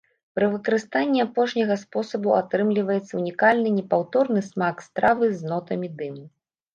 Пры выкарыстанні апошняга спосабу атрымліваецца унікальны непаўторны смак стравы з нотамі дыму.